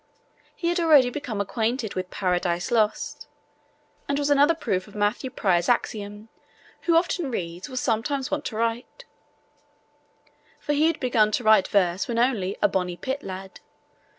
He had already become acquainted with Paradise Lost, and was another proof of Matthew Prior's axiom, 'Who often reads will sometimes want to write,' for he had begun to write verse when only 'a bonnie pit lad.'